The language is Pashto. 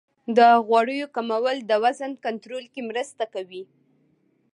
د غوړیو کمول د وزن کنټرول کې مرسته کوي.